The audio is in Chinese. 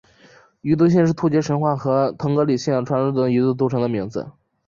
于都斤是突厥神话和腾格里信仰传说中的一座都城的名字。